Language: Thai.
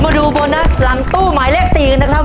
มาดูโบนัสหลังตู้หมายเลข๔กันนะครับ